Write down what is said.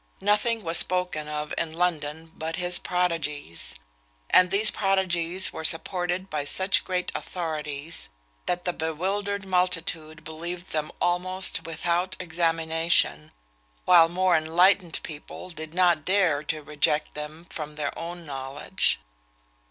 Nothing was spoken of in London but his prodigies; and these prodigies were supported by such great authorities, that the bewildered multitude believed them almost without examination, while more enlightened people did not dare to reject them from their own knowledge.